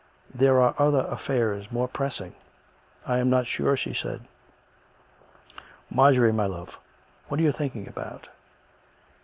" There are other affairs more press ing." " I am not sure," said she. " Marjorie, my love, what are you thinking about.''"